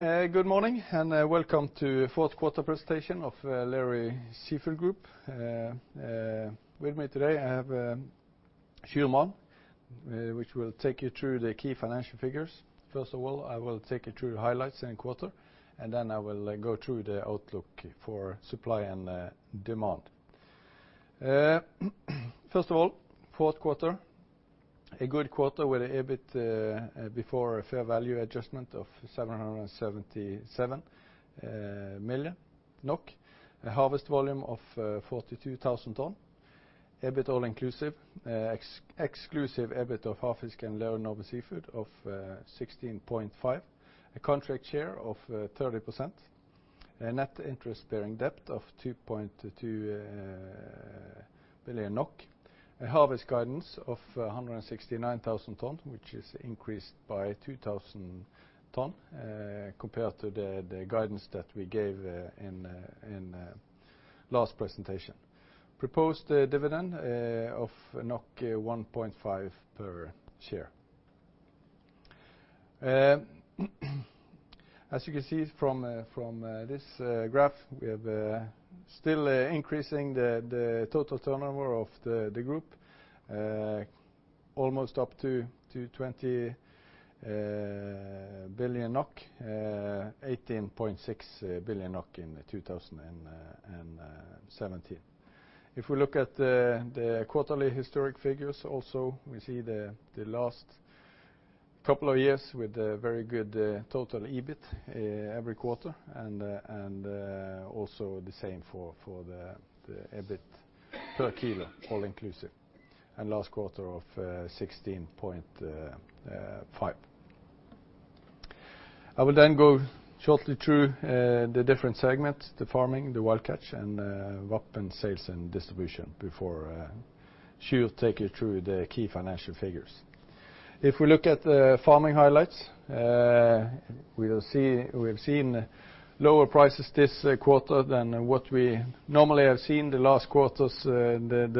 Good morning, and welcome to the fourth quarter presentation of Lerøy Seafood Group. With me today I have Sjur Malm, which will take you through the key financial figures. First of all, I will take you through the highlights and quarter, and then I will go through the outlook for supply and demand. First of all, fourth quarter, a good quarter with EBIT before fair value adjustment of 777 million NOK, a harvest volume of 42,000 tons. EBIT all inclusive, exclusive EBIT of Havfisk and Lerøy Seafood of 16.5, a contract share of 30%, a net interest-bearing debt of 2.2 billion NOK, a harvest guidance of 169,000 tons, which is increased by 2,000 tons compared to the guidance that we gave in last presentation. Proposed dividend of 1.5 per share. As you can see from this graph, we are still increasing the total turnover of the group almost up to 20 billion NOK, 18.6 billion NOK in 2017. If we look at the quarterly historic figures also, we see the last couple of years with a very good total EBIT every quarter and also the same for the EBIT per kilo all inclusive. Last quarter of 16.5. I will go shortly through the different segments, the Farming, the Wild Catch, and VAP and Sales and Distribution before Sjur will take you through the key financial figures. If we look at the Farming highlights, we have seen lower prices this quarter than what we normally have seen the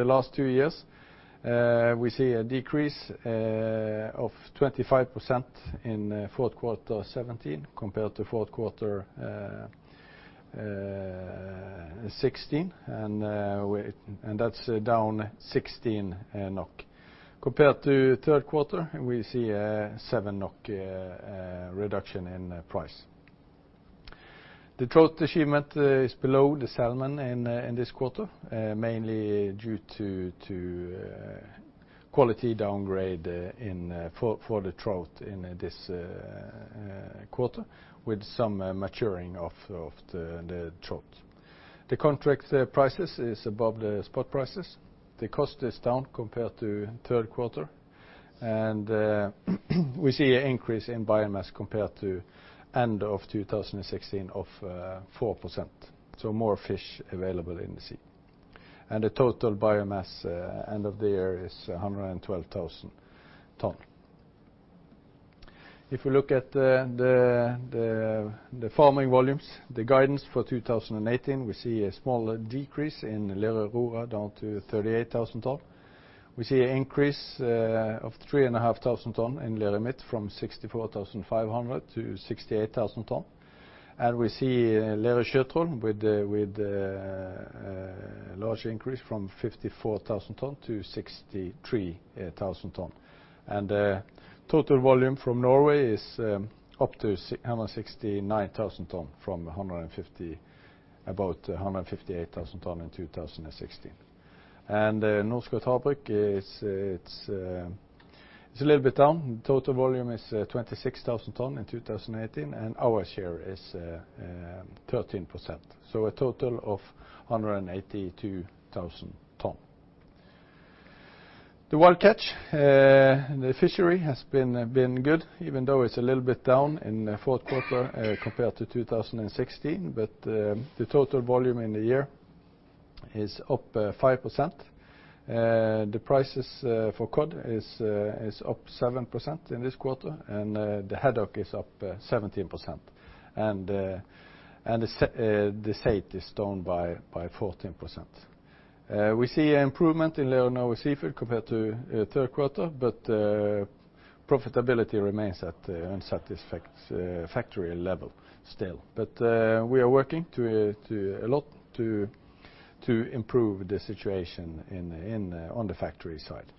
last two years. We see a decrease of 25% in Q4 2017 compared to Q4 2016, and that's down 16 NOK. Compared to third quarter, we see a 7 NOK reduction in price. The trout achievement is below the salmon in this quarter, mainly due to quality downgrade for the trout in this quarter with some maturing of the trout. The contract prices is above the spot prices. The cost is down compared to third quarter, and we see an increase in biomass compared to end of 2016 of 4%. More fish available in the sea. The total biomass end of the year is 112,000 ton. If we look at the Farming volumes, the guidance for 2018, we see a small decrease in Lerøy Aurora down to 38,000 ton. We see an increase of 3,500 ton in Lerøy Midt from 64,500 to 68,000 ton. We see Lerøy Sjøtroll with a large increase from 54,000 ton to 63,000 ton. Total volume from Norway is up to 169,000 tons from about 158,000 tons in 2016. Norskott Havbruk is a little bit down. Total volume is 26,000 tons in 2018, and our share is 13%, so a total of 182,000 tons. The Wild Catch. The fishery has been good even though it's a little bit down in the fourth quarter compared to 2016, but the total volume in the year is up 5%. The prices for cod is up 7% in this quarter, and the haddock is up 17%, and the skate is down by 14%. We see improvement in Lerøy Seafood Group compared to third quarter, but profitability remains at unsatisfactory level still. We are working a lot to improve the situation on the factory side.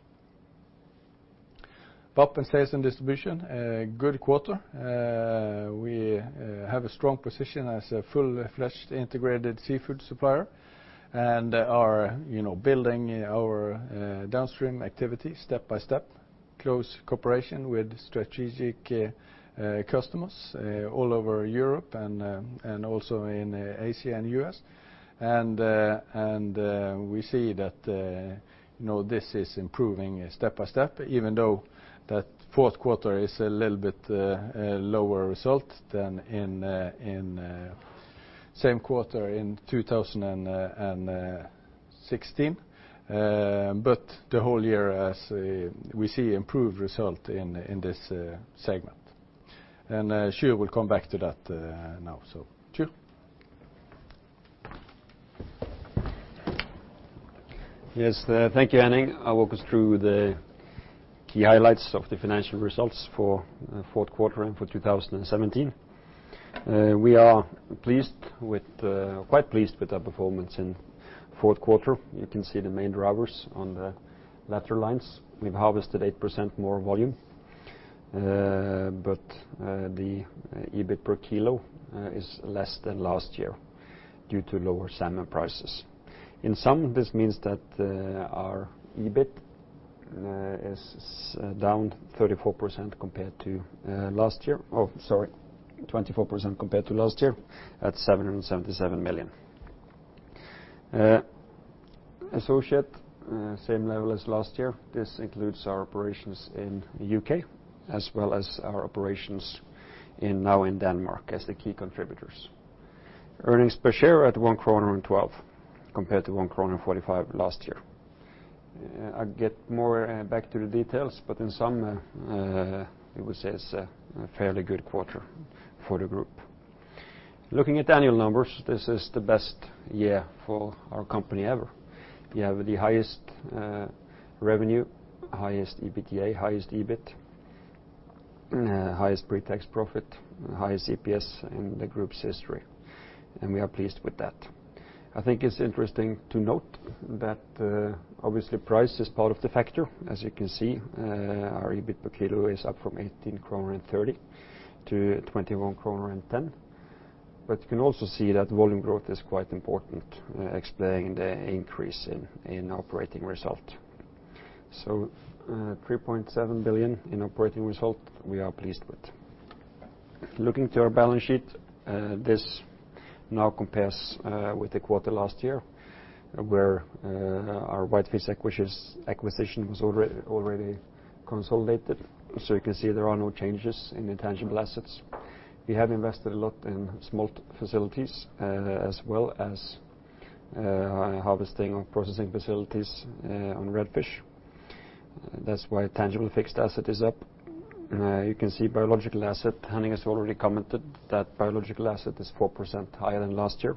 VAP and Sales and Distribution, good quarter. We have a strong position as a fully fledged integrated seafood supplier and are building our downstream activity step by step, close cooperation with strategic customers all over Europe and also in Asia and U.S. We see that this is improving step by step even though that fourth quarter is a little bit lower result than in same quarter in 2016. The whole year we see improved result in this segment. Sjur will come back to that now. Sjur. Yes. Thank you, Henning. I'll walk us through the key highlights of the financial results for the fourth quarter and for 2017. We are quite pleased with the performance in the fourth quarter. You can see the main drivers on the lateral lines. We've harvested 8% more volume, but the EBIT per kilo is less than last year due to lower salmon prices. In sum, this means that our EBIT is down 24% compared to last year, at 777 million. Associate, same level as last year. This includes our operations in the U.K. as well as our operations now in Denmark as the key contributors. Earnings per share at 1.12 kroner compared to 1.45 kroner last year. I'll get more back to the details, but in sum, it was a fairly good quarter for the group. Looking at annual numbers, this is the best year for our company ever. We have the highest revenue, highest EBITDA, highest EBIT, highest pre-tax profit, and highest EPS in the group's history, and we are pleased with that. I think it's interesting to note that obviously price is part of the factor. As you can see, our EBIT per kilo is up from 18.30-21.10 kroner. You can also see that volume growth is quite important, explaining the increase in operating result. 3.7 billion in operating result, we are pleased with. Looking to our balance sheet, this now compares with the quarter last year, where our Whitefish acquisition was already consolidated. You can see there are no changes in intangible assets. We have invested a lot in smolt facilities as well as harvesting and processing facilities on red fish. That's why tangible fixed asset is up. You can see biological asset. Henning has already commented that biological asset is 4% higher than last year.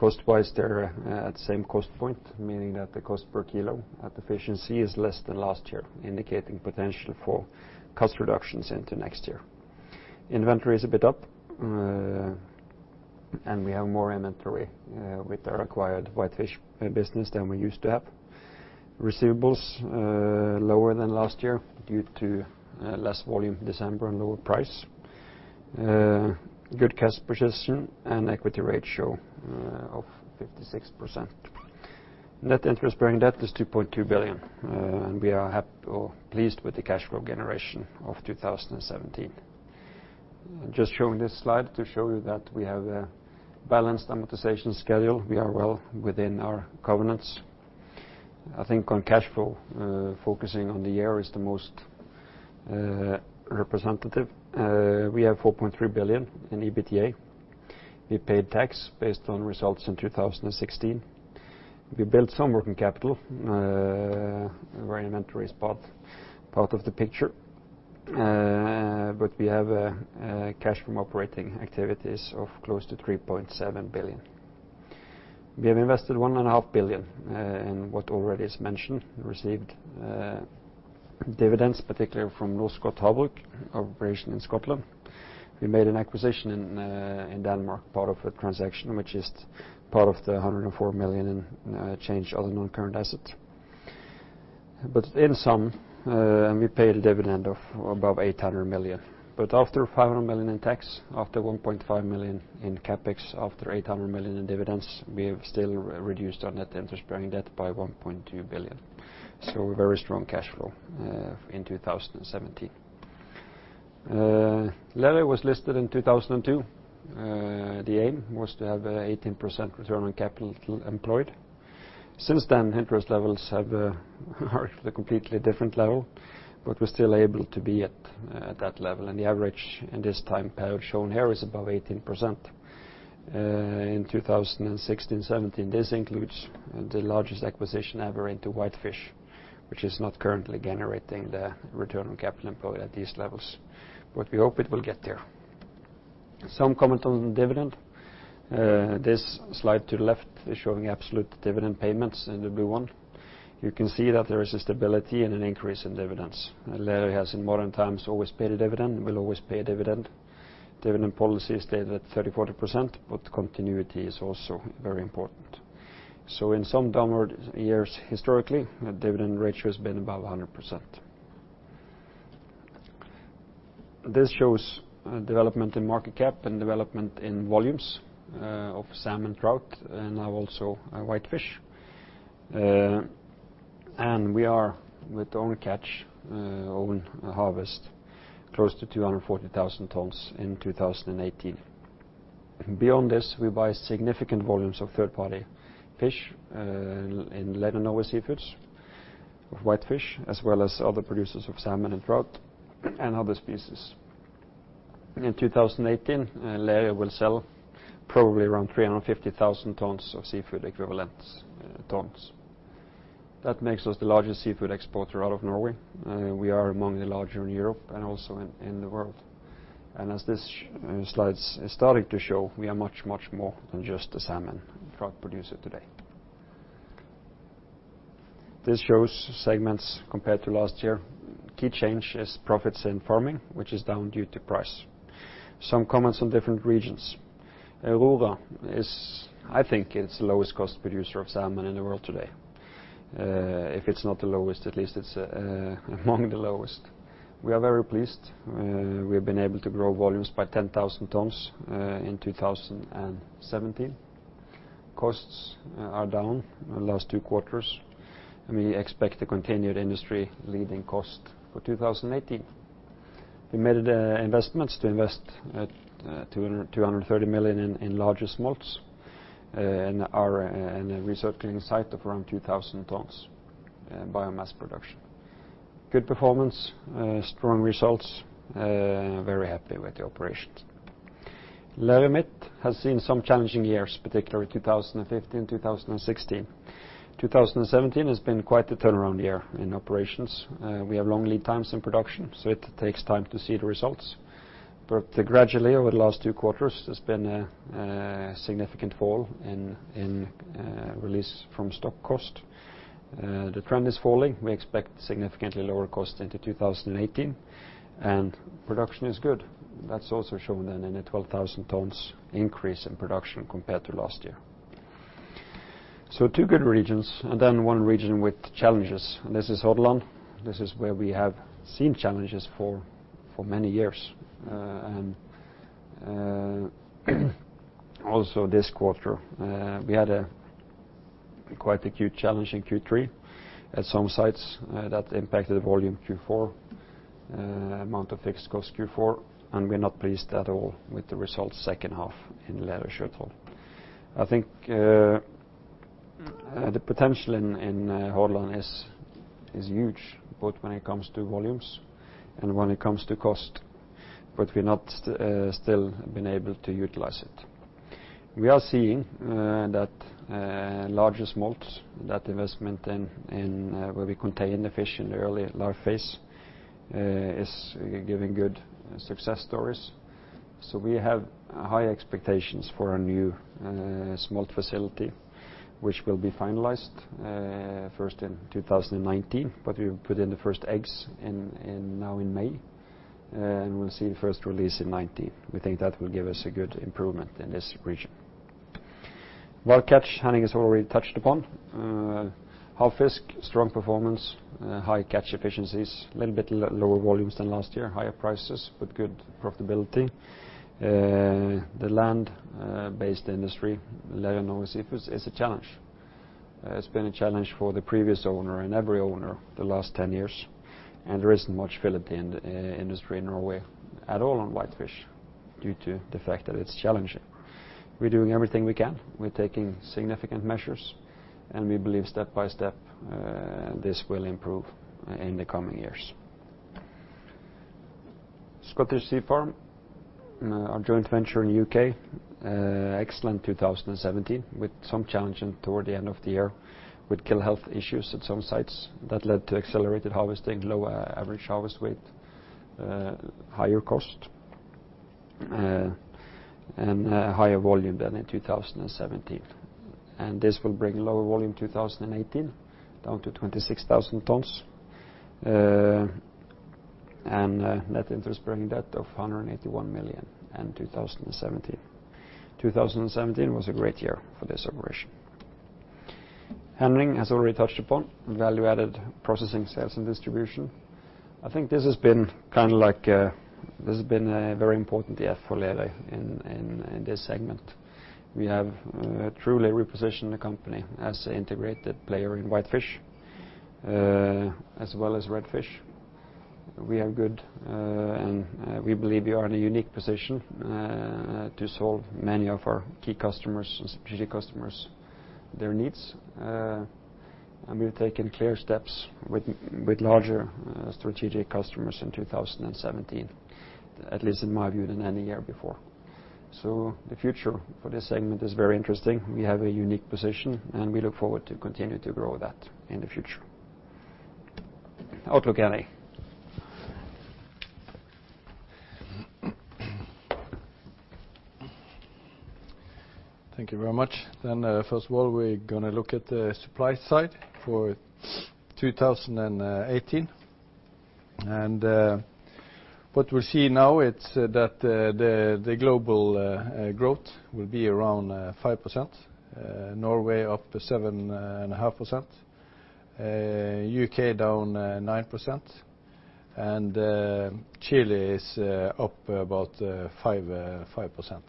Cost-wise, they're at the same cost point, meaning that the cost per kilo at the fish in sea is less than last year, indicating potential for cost reductions into next year. Inventory is a bit up, and we have more inventory with our acquired whitefish business than we used to have. Receivables lower than last year due to less volume in December and lower price. Good cash position and equity ratio of 56%. Net interest-bearing debt is 2.2 billion, and we are pleased with the cash flow generation of 2017. Just showing this slide to show you that we have a balanced amortization schedule. We are well within our covenants. I think on cash flow, focusing on the year is the most representative. We have 4.3 billion in EBITDA. We paid tax based on results in 2016. We built some working capital where inventory is part of the picture. We have cash from operating activities of close to 3.7 billion. We have invested 1.5 billion in what already is mentioned, received dividends, particularly from Norskott Havbruk operation in Scotland. We made an acquisition in Denmark, part of the transaction, which is part of the 104 million in change of non-current asset. In sum, we paid a dividend of above 800 million. After 500 million in tax, after 1.5 million in CapEx, after 800 million in dividends, we have still reduced our net interest-bearing debt by 1.2 billion. A very strong cash flow in 2017. Lerøy was listed in 2002. The aim was to have an 18% return on capital employed. Since then, interest levels have reached a completely different level, but we're still able to be at that level and the average in this time shown here is above 18%. In 2016, 2017, this includes the largest acquisition ever into whitefish, which is not currently generating the return on capital employed at these levels. We hope it will get there. Some comment on the dividend. This slide to the left is showing absolute dividend payments in the blue one. You can see that there is a stability and an increase in dividends. Lerøy has in modern times always paid a dividend, will always pay a dividend. Dividend policy is stayed at 30%-40%, but continuity is also very important. In some downward years, historically, the dividend ratio has been above 100%. This shows development in market cap and development in volumes of salmon, trout, and now also whitefish. We are with own catch, own harvest, close to 240,000 tons in 2018. Beyond this, we buy significant volumes of third-party fish in Lerøy Norway Seafoods, of whitefish, as well as other producers of salmon and trout and other species. In 2018, Lerøy will sell probably around 350,000 tons of seafood equivalents tons. That makes us the largest seafood exporter out of Norway. We are among the larger in Europe and also in the world. As this slide is starting to show, we are much, much more than just a salmon producer today. This shows segments compared to last year. Key change is profits in farming, which is down due to price. Some comments on different regions. Aurora is, I think, its lowest cost producer of salmon in the world today. If it's not the lowest, at least it's among the lowest. We are very pleased. We've been able to grow volumes by 10,000 tonnes in 2017. Costs are down in the last two quarters, we expect to continue the industry-leading cost for 2018. We made investments to invest at 230 million in larger smolts and are in a recirculating site of around 2,000 tonnes biomass production. Good performance, strong results, very happy with the operations. Lerøy Midt has seen some challenging years, particularly 2015, 2016. 2017 has been quite the turnaround year in operations. We have long lead times in production, so it takes time to see the results. Gradually, over the last two quarters, there's been a significant fall in release from stock cost. The trend is falling. We expect significantly lower cost into 2018 and production is good. That's also shown in a 12,000 tonnes increase in production compared to last year. Two good regions and then one region with challenges. This is Hordaland. This is where we have seen challenges for many years also this quarter. We had quite acute challenge in Q3 at some sites that impacted volume Q4, amount of fixed cost Q4, and we're not pleased at all with the results second half in Lerøy Sjøtroll. I think the potential in Hordaland is huge, both when it comes to volumes and when it comes to cost, but we're not still been able to utilize it. We are seeing that larger smolt, that investment where we contain the fish in the early life phase is giving good success stories. We have high expectations for our new smolt facility, which will be finalized first in 2019. We put in the first eggs now in May, and we'll see first release in 2019. We think that will give us a good improvement in this region. Wild Catch Henning has already touched upon. Havfisk, strong performance, high catch efficiencies, little bit lower volumes than last year. Higher prices but good profitability. The land-based industry, Lerøy Norway Seafoods, is a challenge. It's been a challenge for the previous owner and every owner the last 10 years, and there isn't much fill at the industry in Norway at all on whitefish due to the fact that it's challenging. We're doing everything we can. We're taking significant measures and we believe step by step, this will improve in the coming years. Scottish Sea Farms, our joint venture in the U.K., excellent 2017 with some challenges toward the end of the year with gill health issues at some sites that led to accelerated harvesting, lower average harvest weight, higher cost, and higher volume than in 2017. This will bring lower volume 2018, down to 26,000 tonnes, and net interest-bearing debt of 181 million in 2017. 2017 was a great year for this operation. Henning has already touched upon value-added processing, sales, and distribution. I think this has been a very important year for Lerøy in this segment. We have truly repositioned the company as an integrated player in whitefish, as well as redfish. We are good, and we believe we are in a unique position to solve many of our key customers and strategic customers their needs. We've taken clear steps with larger strategic customers in 2017, at least in my view, than any year before. The future for this segment is very interesting. We have a unique position, and we look forward to continue to grow that in the future. Outlook, Henning?. Thank you very much. First of all, we're going to look at the supply side for 2018. What we see now is that the global growth will be around 5%. Norway up to 7.5%, U.K. down 9%, and Chile is up about 5%.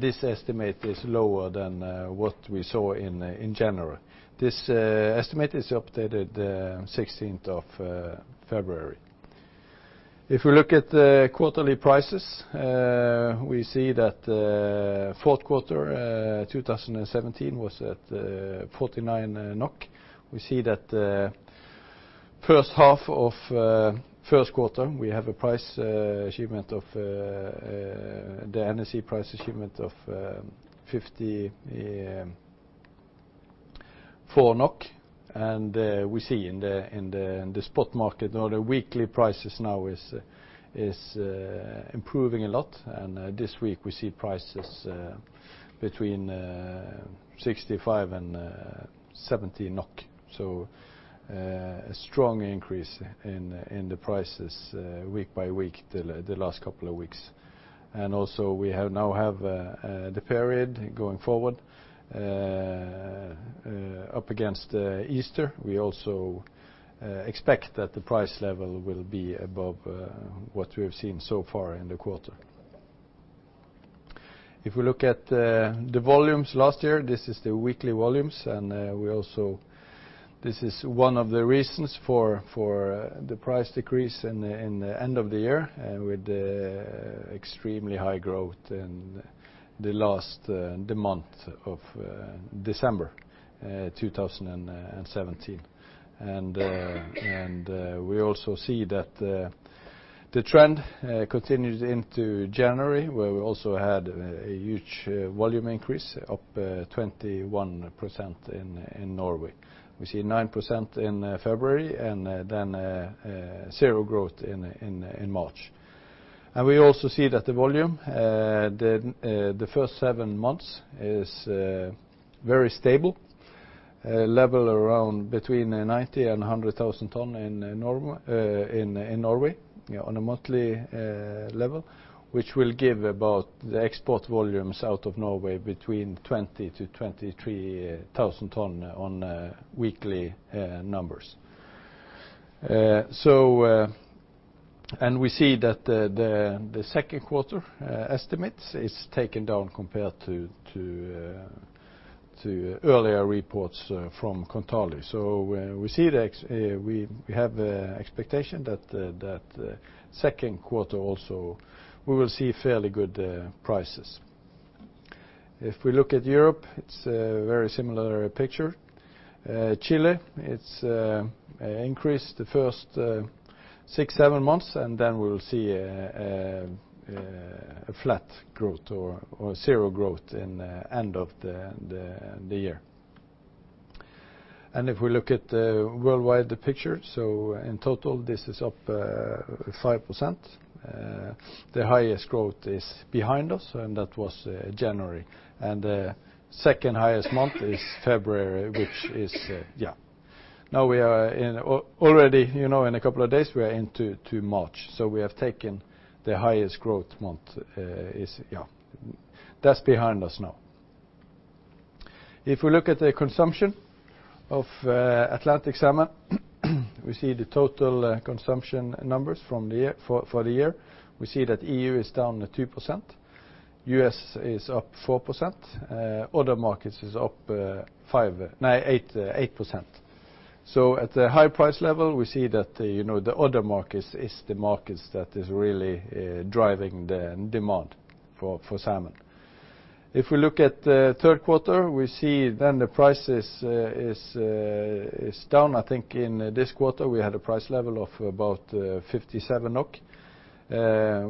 This estimate is lower than what we saw in January. This estimate is updated 16th of February. If we look at the quarterly prices, we see that fourth quarter 2017 was at 49 NOK. We see that first half of first quarter, we have the NSI price achievement of 54 NOK. We see in the spot market, the weekly prices now is improving a lot. This week we see prices between 65 and 70 NOK. A strong increase in the prices week-by-week, the last couple of weeks. We now have the period going forward, up against Easter. We also expect that the price level will be above what we have seen so far in the quarter. If we look at the volumes last year, this is the weekly volumes. This is one of the reasons for the price decrease in the end of the year and with the extremely high growth in the month of December 2017. We also see that the trend continued into January, where we also had a huge volume increase, up 21% in Norway. We see 9% in February and 0% growth in March. We also see that the volume, the first seven months, is very stable, level around 90,000 and 100,000 tons in Norway on a monthly level, which will give about the export volumes out of Norway 20,000 to 23,000 tons on weekly numbers. We see that the second quarter estimates is taken down compared to earlier reports from Kontali. We have expectation that second quarter also, we will see fairly good prices. If we look at Europe, it's a very similar picture. Chile, it's increased the first six, seven months, and then we'll see a flat growth or zero growth in the end of the year. If we look at the worldwide picture, so in total, this is up 5%. The highest growth is behind us, and that was January. The second highest month is February. Yeah. We are in, already in a couple of days, we are into March. We have taken the highest growth month is. Yeah. That's behind us now. We look at the consumption of Atlantic salmon, we see the total consumption numbers for the year. We see that EU is down at 2%. U.S. is up 4%. Other markets is up 8%. At the high price level, we see that the other markets is the markets that is really driving the demand for salmon. We look at the third quarter, we see then the prices is down. I think in this quarter, we had a price level of about 57 NOK.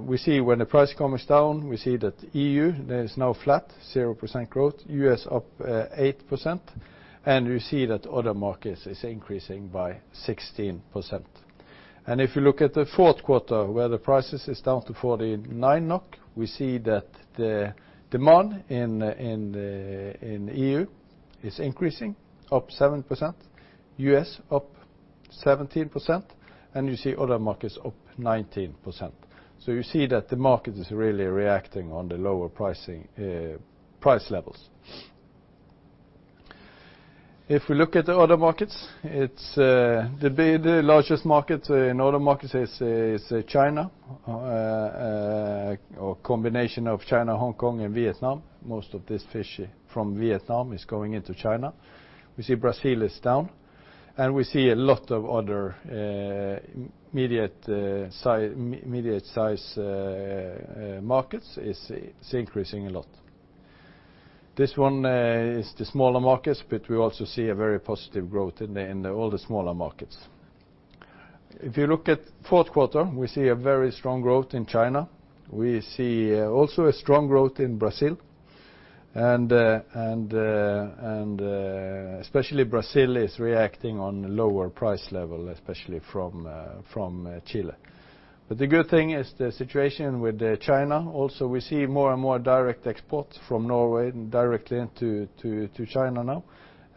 We see when the price comes down, we see that EU is now flat, 0% growth, U.S. up 8%, and we see that other markets is increasing by 16%. If you look at the Q4, where the prices is down to 49 NOK, we see that the demand in EU is increasing, up 7%, U.S. up 17%, you see other markets up 19%. You see that the market is really reacting on the lower price levels. We look at the other markets, the largest market in other markets is China, or a combination of China, Hong Kong, and Vietnam. Most of this fish from Vietnam is going into China. We see Brazil is down and we see a lot of other intermediate size markets is increasing a lot. This one is the smaller markets, we also see a very positive growth in all the smaller markets. If you look at fourth quarter, we see a very strong growth in China. We see also a strong growth in Brazil. Especially Brazil is reacting on lower price level, especially from Chile. The good thing is the situation with China. We also see more and more direct exports from Norway directly into China now.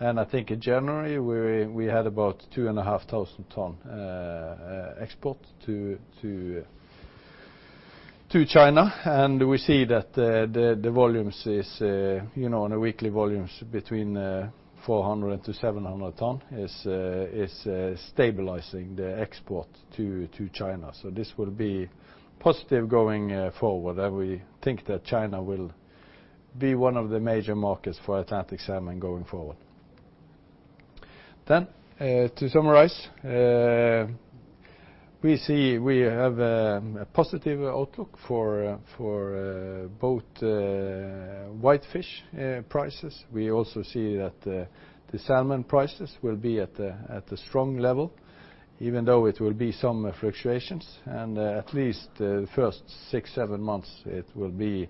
I think in January, we had about 2,500 tons export to China. We see that the volumes is, on a weekly volume, between 400-700 tons, is stabilizing the export to China. This will be positive going forward, and we think that China will be one of the major markets for Atlantic salmon going forward. To summarize, we see we have a positive outlook for both whitefish prices. We also see that the salmon prices will be at a strong level, even though it will be some fluctuations, and at least the first six, seven months, it will be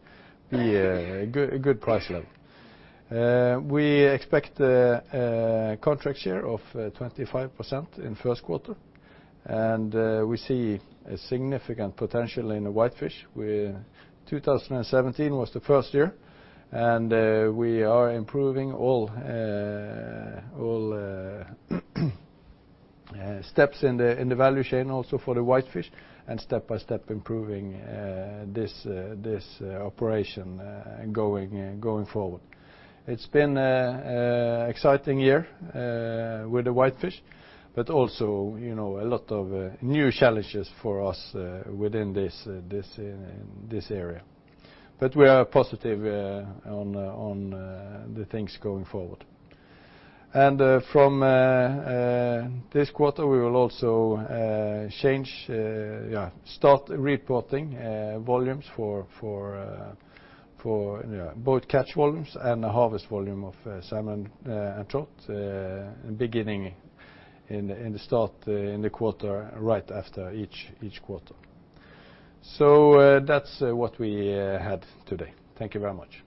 a good price level. We expect a contract share of 25% in first quarter, and we see a significant potential in the whitefish. 2017 was the first year, and we are improving all steps in the value chain also for the whitefish, and step by step improving this operation going forward. It's been a exciting year with the whitefish, but also a lot of new challenges for us within this area. We are positive on the things going forward. From this quarter, we will also start reporting volumes for both catch volumes and the harvest volume of salmon and trout beginning in the start in the quarter right after each quarter. That's what we had today. Thank you very much.